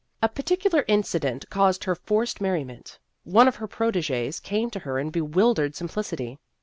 A particular incident caused her forced merriment. One of her protegees came to her in bewildered simplicity.